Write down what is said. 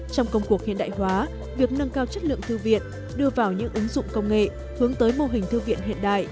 trong công cuộc hiện đại hóa việc nâng cao chất lượng thư viện đưa vào những ứng dụng công nghệ hướng tới mô hình thư viện hiện đại